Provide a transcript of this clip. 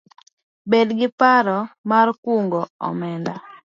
Bed gi paro mar kungo omenda